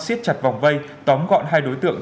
xiết chặt vòng vây tóm gọn hai đối tượng